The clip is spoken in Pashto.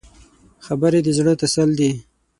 خبرې د زړه تسل دي